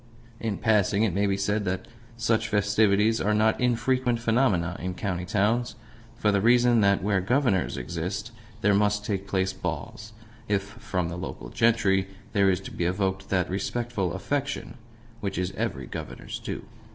In passing, it may be said that such festivities are not infrequent phenomena in county towns, for the reason that where Governors exist there must take place balls if from the local gentry there is to be evoked that respectful affection which is every Governor's due.